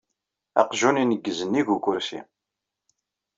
Aqjun ineggez nnig ukersi.